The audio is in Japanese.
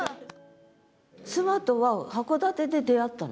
妻とは函館で出会ったの？